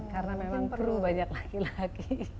karena memang perlu banyak laki laki